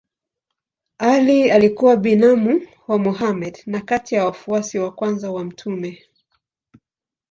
Ali alikuwa binamu wa Mohammed na kati ya wafuasi wa kwanza wa mtume.